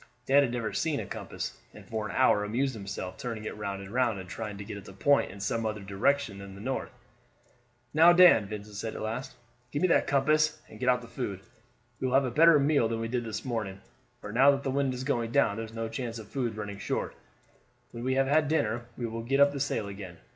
Dan had never seen a compass, and for an hour amused himself turning it round and round and trying to get it to point in some other direction than the north. "Now, Dan," Vincent said at last, "give me that compass, and get out the food. We will have a better meal than we did this morning, for now that the wind is going down there's no chance of food running short. When we have had dinner we will get up the sail again.